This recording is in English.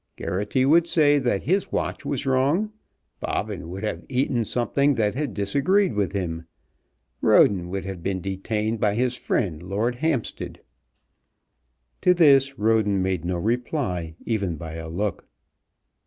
Geraghty would say that his watch was wrong. Bobbin would have eaten something that had disagreed with him. Roden would have been detained by his friend, Lord Hampstead." To this Roden made no reply even by a look.